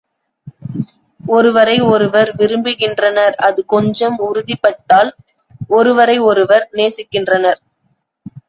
ஒருவரை ஒருவர் விரும்புகின்றனர் அது கொஞ்சம் உறுதிப்பட்டால் ஒருவரை ஒருவர் நேசிக்கின்றனர்.